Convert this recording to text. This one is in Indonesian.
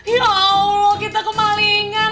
ya allah kita kemalingan